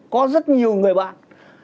có rất nhiều người bạn